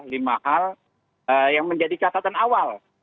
lima hal yang menjadi catatan awal